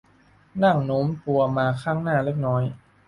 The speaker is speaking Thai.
นั่งโน้มตัวมาข้างหน้าเล็กน้อย